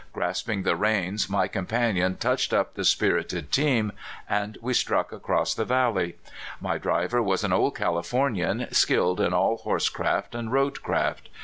Grasp ing the reins, my companion touched up the spir AT THE END. 331 ited team, and we struck across the valley. My driver was an old Californian, skilled in all horse craft and road craft.